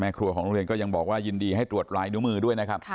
ครัวของโรงเรียนก็ยังบอกว่ายินดีให้ตรวจลายนิ้วมือด้วยนะครับ